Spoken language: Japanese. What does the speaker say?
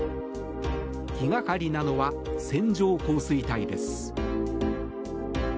気がかりなのは線状降水帯です。